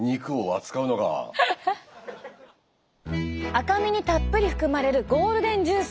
赤身にたっぷり含まれるゴールデンジュース。